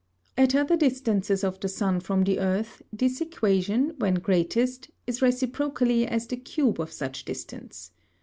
At other Distances of the Sun from the Earth, this Equation, when greatest, is reciprocally as the Cube of such Distance.